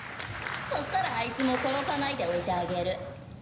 そしたらあいつも殺さないでおいてあげる。